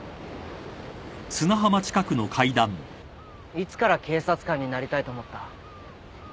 いつから警察官になりたいと思った？